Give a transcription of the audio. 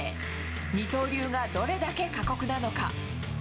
二刀流がどれだけ過酷なのか。